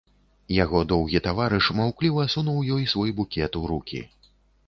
Яго доўгі таварыш маўкліва сунуў ёй свой букет у рукі.